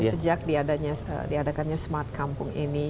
sejak diadakannya smart kampung ini